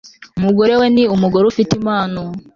Umugore we ni umugore ufite impano